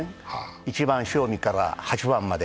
１番塩見から８番まで。